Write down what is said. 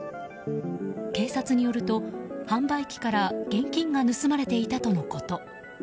警察によると、販売機から現金が盗まれていたとのこと。